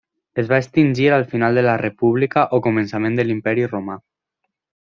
Es va extingir al final de la República o començament de l'Imperi Romà.